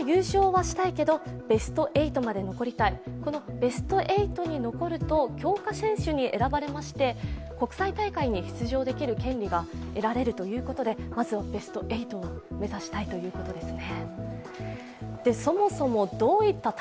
ベスト８に残ると強化選手に選ばれまして国際大会に出場できる権利が手に入るということでまずは、ベスト８を目指したいということですね。